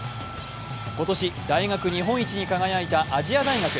今年大学日本一に輝いた亜細亜大学。